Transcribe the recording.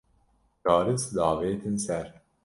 garis davêtin ser